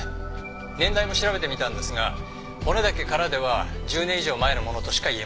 「年代も調べてみたんですが骨だけからでは１０年以上前のものとしか言えません」